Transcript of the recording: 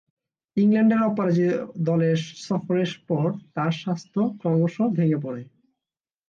ইংল্যান্ডে অপরাজেয় দলের সফরের পর তার স্বাস্থ্য ক্রমশঃ ভেঙ্গে পড়ে।